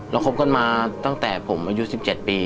แล้วคบกันมาตั้งแต่ผมอายุ๑๗ปี